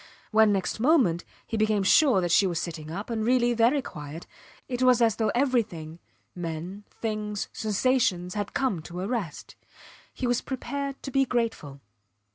When, next moment, he became sure that she was sitting up, and really very quiet, it was as though everything men, things, sensations, had come to a rest. He was prepared to be grateful.